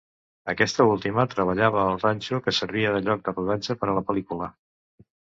Aquesta última treballava al ranxo que servia de lloc de rodatge per a la pel·lícula.